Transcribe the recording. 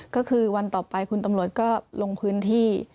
ก็คือวันต่อไปคุณตำรวจก็ลงพื้นที่